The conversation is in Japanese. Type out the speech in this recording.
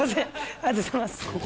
ありがとうございます。